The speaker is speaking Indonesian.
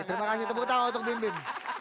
terima kasih tepuk tangan untuk bim bim